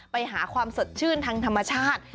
ไปหาความสดชื่นทางธรรมชาติ